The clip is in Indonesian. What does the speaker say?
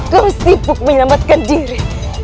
kau sibuk menyelamatkan diri